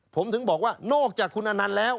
ผมถึงบอกว่านอกจากคุณอนันต์แล้ว